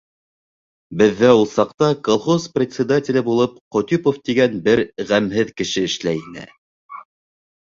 Беҙҙә ул саҡта колхоз председателе булып Ҡотипов тигән бер ғәмһеҙ кеше эшләй ине.